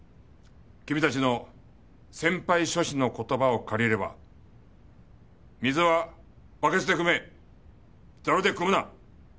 君たちの先輩諸氏の言葉を借りれば水はバケツでくめザルでくむな。